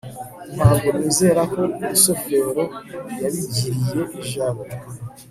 ntabwo nizera ko rusufero yabigiriye jabo